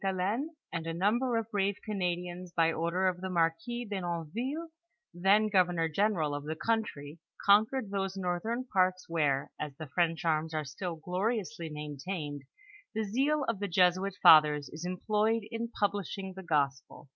Helaine, and a number of brave Canadians, by order of the marquis d'Enonville, then governor general of the country, conquered those northern parts where, as the French arms are still gloriously maintained, the zeal of the Jesuit fathoi's is employed in publishing the gospel.